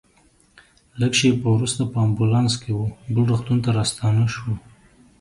لږ شېبه وروسته په امبولانس کې وه بل روغتون ته راستانه شوو.